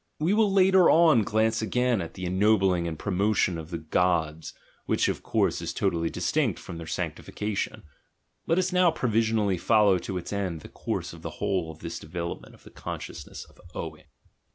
We will later on 84 THE GENEALOGY OF MORALS glance again at the ennobling and promotion of the gods (which, of course, is totally distinct from their "sancti fication") : let us now provisionally follow to its end the course of the whole of this development of the conscious ness of "owing."